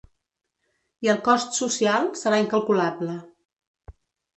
I el cost social, serà incalculable.